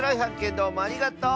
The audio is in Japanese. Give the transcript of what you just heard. どうもありがとう！